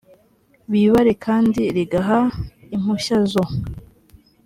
bibare kandi rigaha impushya zo